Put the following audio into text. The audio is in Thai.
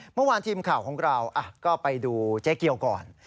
เมื่อวานทีมข่าวของเราก็ไปดูเจ๊เกียวก่อน